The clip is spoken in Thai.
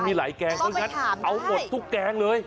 มีหลายแกงเขาไปถามได้เอาหมดทุกแกงเลย